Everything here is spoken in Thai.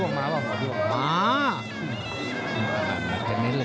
เขาทรายหมอด้วงมาเนี่ย